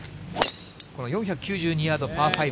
この４９２ヤード、パー５。